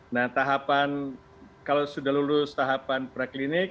nah kalau sudah lulus tahapan preklinik